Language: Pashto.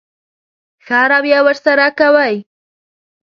ښه رويه ورسره کوئ.